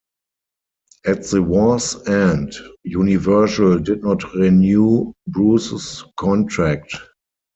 At the war's end, Universal did not renew Bruce's contract.